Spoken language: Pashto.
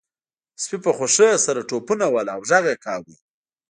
سپي په خوښۍ سره ټوپونه وهل او غږ یې کاوه